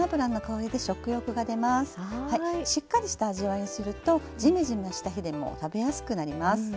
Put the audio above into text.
しっかりした味わいにするとジメジメした日でも食べやすくなります。